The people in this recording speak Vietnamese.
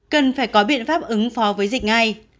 cần phải có biện pháp ứng phó với dịch ngay